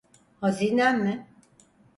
Hazinem mi?